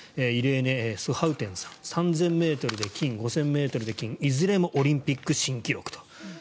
イレーネ・スハウテンさん３０００ｍで金５００ｍで金いずれもオリンピック記録と。